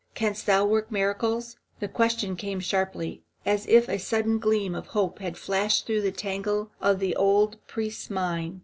Canst thou work miracles?" The question came sharply, as if a sudden gleam of hope had flashed through the tangle of the old priest's mind.